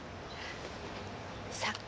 さあ。